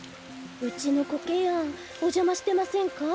うちのコケヤンおじゃましてませんか？